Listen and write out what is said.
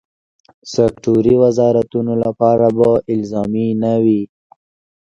سکټوري وزارتونو لپاره به الزامي نه وي.